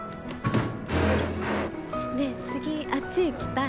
ねえ次あっち行きたい。